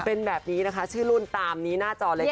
เป็นแบบนี้นะคะชื่อรุ่นตามนี้หน้าจอเลยค่ะ